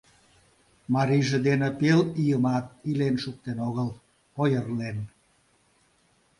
Марийже дене пел ийымат илен шуктен огыл, ойырлен.